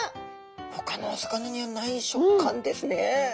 ほかのお魚にはない食感ですね。